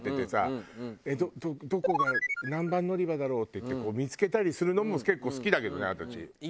えっどこが何番乗り場だろう？っていって見付けたりするのも結構好きだけどね私。